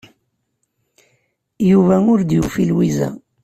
Yuba ur d-yufi Lwiza.